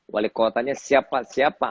wali kotanya siapa siapa